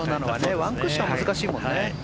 ワンクッション難しいもんね。